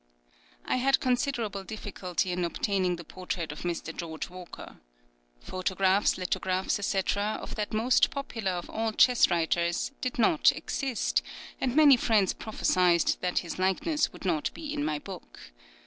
I had considerable difficulty in obtaining the portrait of Mr. George Walker. Photographs, lithographs, etc., of that most popular of all chess writers, did not exist, and many friends prophesied that his likeness would not be in my book.